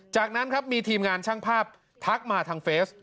จากนั้นครับมีทีมงานช่างภาพทักมาทางเฟซ